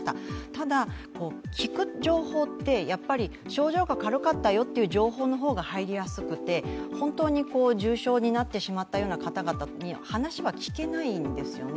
ただ、聞く情報って、症状が軽かったという情報の方が入りやすくて、本当に重症になってしまったような方々に話は聞けないんですよね